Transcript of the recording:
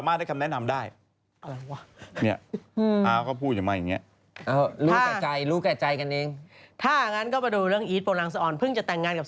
อ๋อหมายถึงว่าก็จะใครล่ะ